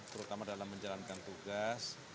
terutama dalam menjalankan tugas